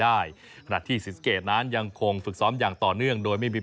ขณะที่ศรีสะเกดนั้นยังคงฝึกซ้อมอย่างต่อเนื่องโดยไม่มี